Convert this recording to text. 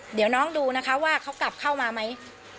เดี๋ยวน้องดูนะคะว่าเขากลับเข้ามาไหม